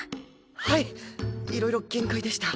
はいいろいろ限界でした。